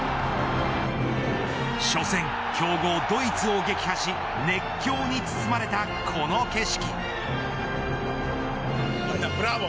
初戦、強豪ドイツを撃破し、熱狂に包まれたこの景色。